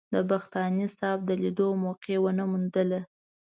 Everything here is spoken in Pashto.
د بختاني صاحب د لیدو موقع ونه موندله.